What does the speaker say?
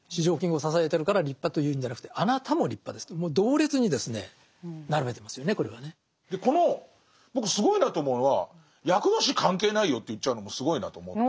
だから内助の功でこの僕すごいなと思うのは厄年関係ないよと言っちゃうのもすごいなと思って。